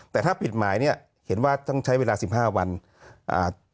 แต่ถ้าผิดหมายเนี้ยเห็นว่าต้องใช้เวลาสิบห้าวันอ่า